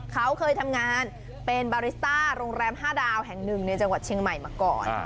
เขาเคยทำงานเป็นบาริสต้าโรงแรม๕ดาวแห่งหนึ่งในจังหวัดเชียงใหม่มาก่อน